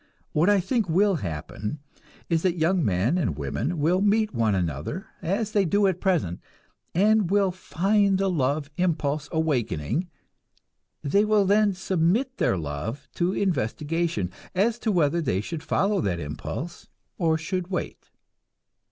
What I think will happen is that young men and women will meet one another, as they do at present, and will find the love impulse awakening; they will then submit their love to investigation, as to whether they should follow that impulse, or should wait.